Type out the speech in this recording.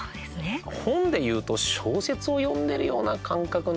本でいうと小説を読んでるような感覚なのかな。